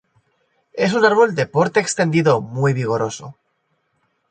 Es un árbol de porte extendido muy vigoroso.